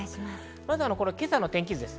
まず今朝の天気図です。